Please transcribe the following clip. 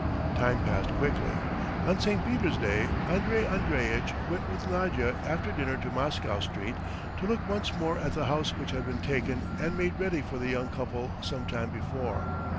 Time passed quickly. On St. Peter's day Andrey Andreitch went with Nadya after dinner to Moscow Street to look once more at the house which had been taken and made ready for the young couple some time before.